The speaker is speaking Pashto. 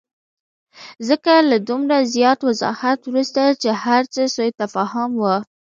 ځکه له دومره زیات وضاحت وروسته چې هرڅه سوءتفاهم وو.